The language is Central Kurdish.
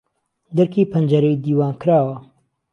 دهرکی پهنجهرەی دیوان کراوه